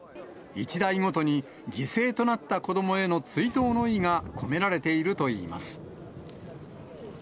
一台ごとに犠牲となった子どもへの追悼の意が込められているといいます。